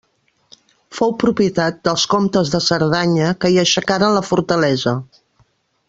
Fou propietat dels comtes de Cerdanya, que hi aixecaren la fortalesa.